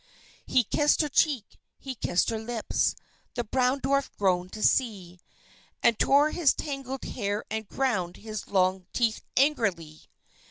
He kissed her cheek, he kissed her lips; the Brown Dwarf groaned to see, And tore his tangled hair and ground his long teeth angrily.